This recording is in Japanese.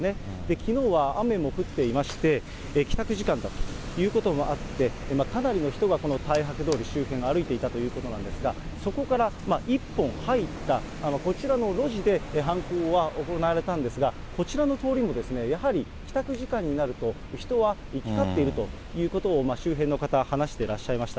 きのうは雨も降っていまして、帰宅時間ということもあって、かなりの人がこの大博通り周辺を歩いていたということなんですが、そこから一本入った、こちらの路地で犯行は行われたんですが、こちらの通りも、やはり帰宅時間になると、人は行き交っているということを周辺の方、話してらっしゃいました。